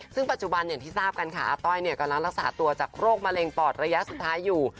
ซึ่งปัจจุบันอย่างที่ทราบกันค่ะอาต้อยกำลังรักษาตัวจากโรคมะเร็งปอดระยะสุดท้ายอยู่